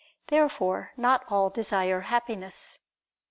Therefore not all desire Happiness.